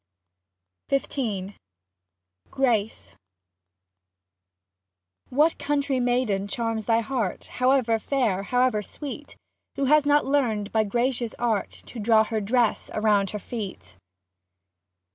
32 XV GRACE What country maiden charms thy heart. However fair, however sweet. Who has not learned by gracious Art To draw her dress around her feet